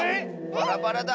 バラバラだ。